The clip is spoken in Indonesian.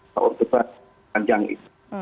atau gebat panjang itu